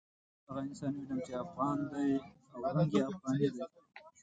هغه انسان وینم چې افغان دی او رنګ یې افغاني دی.